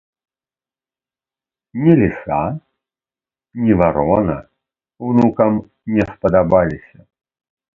Ні ліса, ні варона ўнукам не спадабаліся.